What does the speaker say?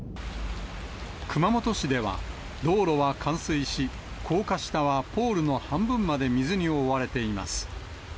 熊本市では道路は冠水し、高架下はポールの半分まで水に覆われています。